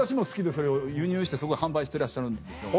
それを輸入して販売してらっしゃるんですよ。